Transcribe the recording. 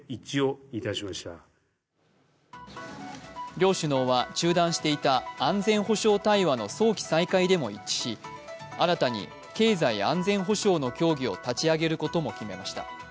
両首脳は中断していた安全保障対話の早期再開でも一致し、新たに経済安全保障の協議を立ち上げることも決めました。